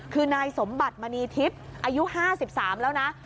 คือนายสมบัติมณีทิพย์อายุ๕๓แล้วนะ